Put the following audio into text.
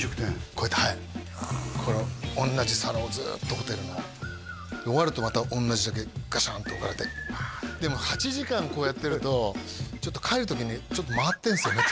こうやってはいこの同じ皿をずっとホテルの終わるとまた同じだけガシャンって置かれてでも８時間こうやってるとちょっと帰る時にちょっと回ってるんですよね